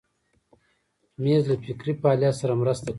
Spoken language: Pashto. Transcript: مېز له فکري فعالیت سره مرسته کوي.